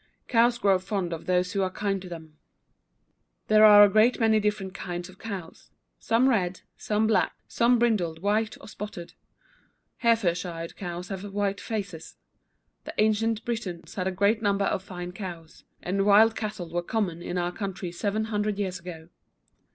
Cows grow fond of those who are kind to them. [Illustration: COW AND CALF.] There are a great many different kinds of cows; some red, some black, some brindled, white or spotted. Herefordshire cows have white faces. The ancient Britons had great numbers of fine cows; and wild cattle were common in our country seven hundred years ago.